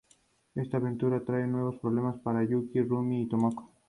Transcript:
Esta aventura trae nuevos problemas para Yukie, Rumi y Tomoko.